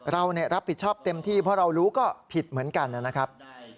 เรารับผิดชอบเต็มที่เพราะเรารู้ก็ผิดเหมือนกันนะครับ